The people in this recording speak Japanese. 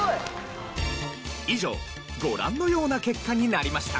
以上ご覧のような結果になりました。